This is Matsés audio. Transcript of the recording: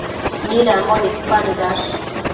Midambo nidpanëdash?